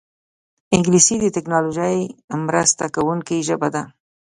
انګلیسي د ټیکنالوژۍ مرسته کوونکې ژبه ده